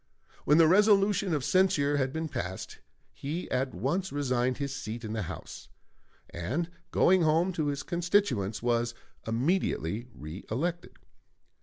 When the resolution of censure had been passed, he at once resigned his seat in the House, and going home to his constituents, was immediately reëlected.